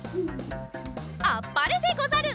あっぱれでござる。